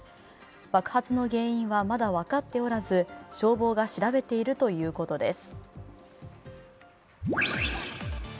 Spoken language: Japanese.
爆発の原因はまだ分かっておらず、消防が調べているということです。